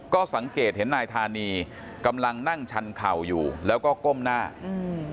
ก็สังเกตเห็นนายธานีกำลังนั่งชันเข่าอยู่แล้วก็ก้มหน้าอืม